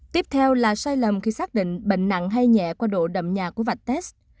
tiếp theo là sai lầm khi xác định bệnh nặng hay nhẹ qua độ đậm nhà của vạch test